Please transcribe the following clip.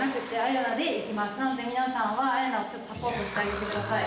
やなでいきますなので皆さんはあやなをサポートしてあげてください